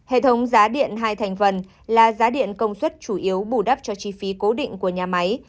hệ thống giá điện hai thành phần là giá điện công suất chủ yếu bù đắp cho chi phí cố định của nhà máy